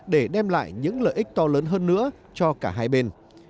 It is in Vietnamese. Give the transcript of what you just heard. để đem lại những lợi ích to lớn hơn nữa cho cả hai bên